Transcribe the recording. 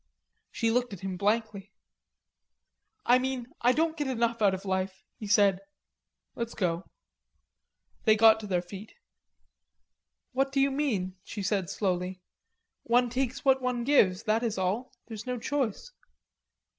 She looked at him blankly. "I mean, I don't think I get enough out of life," he said. "Let's go." They got to their feet. "What do you mean?" she said slowly. "One takes what life gives, that is all, there's no choice....